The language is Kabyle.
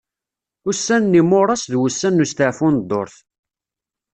Ussan n yimuras d wussan n ustaɛfu n ddurt.